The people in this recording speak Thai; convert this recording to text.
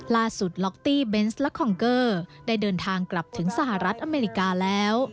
ล็อกตี้เบนส์และคองเกอร์ได้เดินทางกลับถึงสหรัฐอเมริกาแล้ว